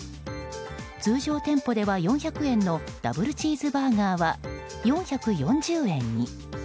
通常店舗では４００円のダブルチーズバーガーは４４０円に。